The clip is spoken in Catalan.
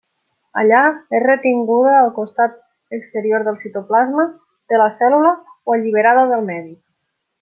Allà és retinguda al costat exterior del citoplasma de la cèl·lula o alliberada al medi.